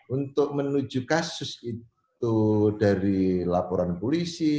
untuk menuju kasus itu dari laporan polisi